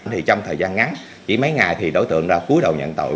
thì trong thời gian ngắn chỉ mấy ngày thì đối tượng ra cuối đầu nhận tội